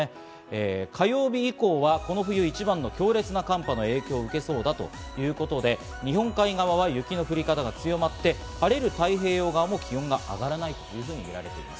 火曜日以降はこの冬一番の強烈な寒波の影響を受けそうだということで、日本海側は雪の降り方が強まって、晴れる太平洋側も気温が上がらない見込みです。